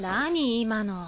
今の。